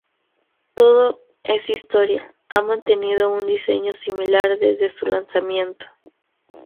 Todo es Historia ha mantenido un diseño similar desde su lanzamiento.